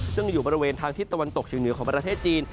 ซึ่งอยู่บริเวณทางทิศตะวันตกเฉียงเหนือของประเทศจีน